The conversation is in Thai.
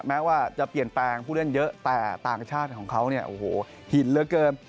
แม้ว่าจะเปลี่ยนแปลงผู้เล่นเยอะแต่ต่างชาติของเขาเนี่ยโอ้โหหินเหลือเกิน